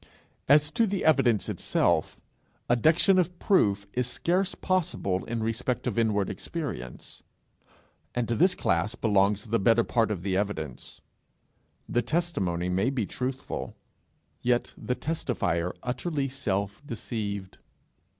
As to the evidence itself, adduction of proof is scarce possible in respect of inward experience, and to this class belongs the better part of the evidence: the testimony may be truthful, yet the testifier utterly self deceived!